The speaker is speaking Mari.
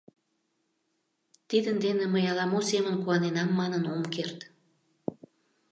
— Тидын дене мый ала-мо семын куаненам манын ом керт.